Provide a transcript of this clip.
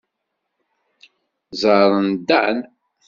Ẓẓaren Dan.